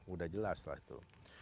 udah jelas lah itu